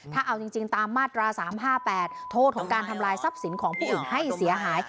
ถ้าเอาจริงตามมาตรา๓๕๘โทษของการทำลายทรัพย์สินของผู้อื่นให้เสียหาย